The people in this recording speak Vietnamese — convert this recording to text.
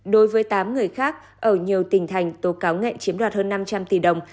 đối với tám người khác ở nhiều tỉnh thành tố cáo ngạn chiếm đoạt hơn năm trăm linh tỷ đồng